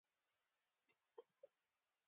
تکاملي لید د هر څه د تکثیر معیار ته ګوري.